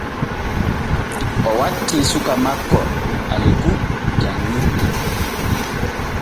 O watti suka makko Ɓaleku janŋirde.